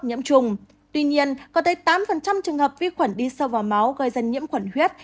nhiễm trùng tuy nhiên có tới tám trường hợp vi khuẩn đi sâu vào máu gây ra nhiễm khuẩn huyết